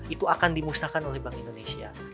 itu akan dimusnahkan oleh bank indonesia